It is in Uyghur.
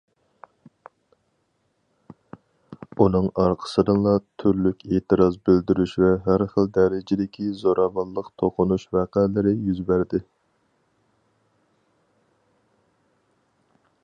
ئۇنىڭ ئارقىسىدىنلا تۈرلۈك ئېتىراز بىلدۈرۈش ۋە ھەر خىل دەرىجىدىكى زوراۋانلىق توقۇنۇش ۋەقەلىرى يۈز بەردى.